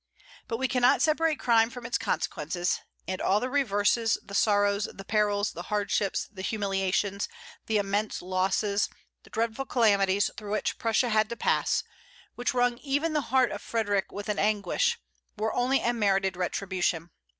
But we cannot separate crime from its consequences; and all the reverses, the sorrows, the perils, the hardships, the humiliations, the immense losses, the dreadful calamities through which Prussia had to pass, which wrung even the heart of Frederic with anguish, were only a merited retribution.